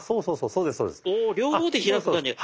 そうそうそうはい。